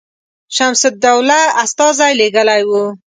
شمس الدوله استازی لېږلی وو.